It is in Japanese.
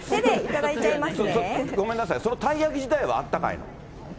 でごめんなさい、そのたいやき自体はあったかいの？